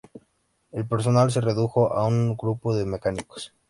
El personal se redujo a un grupo de mecánicos.